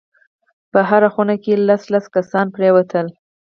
په هره خونه کښې لس لس کسان پرېوتل.